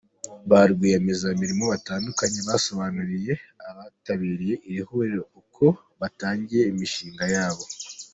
Ba Rwiyemezamirimo batandukanye basobanuriye abitabiriye iri huriro uko batangiye imishinga yabo.